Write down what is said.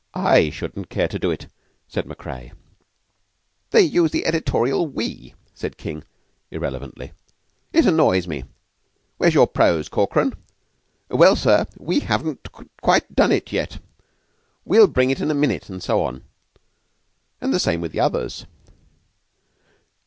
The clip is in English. I shouldn't care to do it," said Macrea. "They use the editorial 'we,'" said King, irrelevantly. "It annoys me. 'Where's your prose, Corkran?' 'Well, sir, we haven't quite done it yet.' 'We'll bring it in a minute,' and so on. And the same with the others."